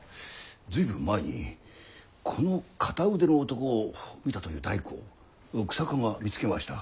随分前にこの片腕の男を見たという大工を日下が見つけました。